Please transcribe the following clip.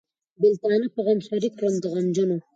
بېلتانه په غم شریک کړم د غمجنو.